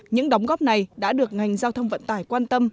những đóng góp này đã được ngành giao thông vận tải quan tâm